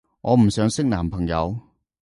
我唔想識男朋友